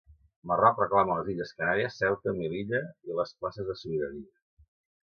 Marroc reclama les Illes Canàries, Ceuta, Melilla i les places de sobirania.